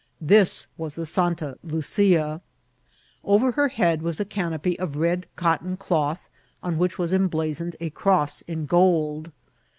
This was the Santa Lucia. Over her head was a canopy of red cotton cloth, on which was emblazoned a cross in gold.